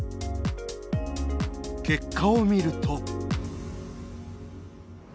結果を見ると。